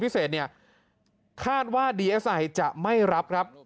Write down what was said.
พิเศษเนี่ยคาดว่าดีเอสไอจะไม่รับครับ